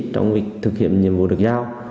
trong việc thực hiện nhiệm vụ được giao